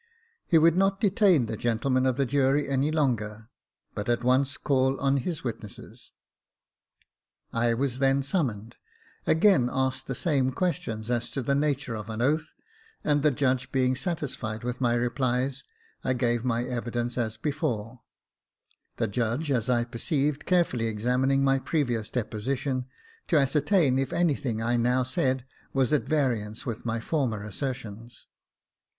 He would not detain the gentlemen of the jury any longer, but at once call on his witnesses. I was then summoned, again asked the same questions as to the nature of an oath, and the judge being satisfied v/ith my replies, I gave my evidence as before ; the judge, as I perceived, carefully examining my previous deposition, to ascertain if anything I now said was at variance with my former assertions.